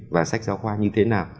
và sách giáo khoa như thế nào